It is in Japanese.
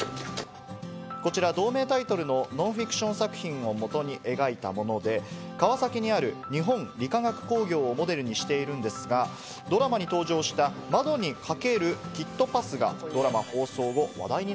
こちら同名タイトルのフィクション作品をもとに描いたもので、川崎にある日本理化学工業をモデルにしているんですが、ドラマに登場した、窓に描けるキットパスがドラマ放送後、話題に